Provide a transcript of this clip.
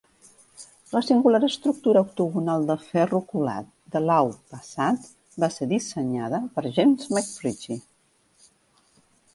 La singular estructura octogonal de ferro colat de Lau Pa Sat va ser dissenyada per James MacRitchie.